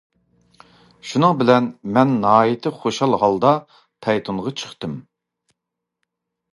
شۇنىڭ بىلەن مەن ناھايىتى خۇشال ھالدا پەيتۇنغا چىقتىم.